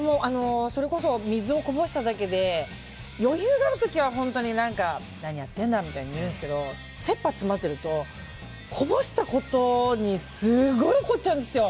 それこそ、水をこぼしただけで余裕がある時は何やってるんだとか言えるんですけどせっぱ詰まってるとこぼしたことにすごい怒っちゃうんですよ。